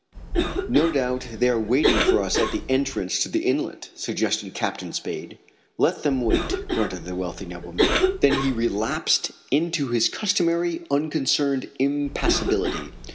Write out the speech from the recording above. "No doubt they are waiting for us at the entrance to the inlet," suggested Captain Spade. "Let them wait," grunted the wealthy nobleman. Then he relapsed into his customary unconcerned impassibility.